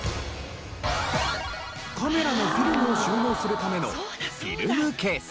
カメラのフィルムを収納するためのフィルムケース。